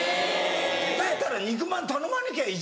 だったら肉まん頼まなきゃいい。